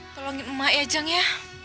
tolongin emak ya jang ya